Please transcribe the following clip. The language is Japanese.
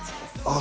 あ